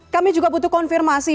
kami juga butuh konfirmasi